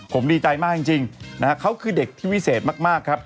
ผมดีใจมากจริงนะฮะเขาคือเด็กที่วิเศษมากครับ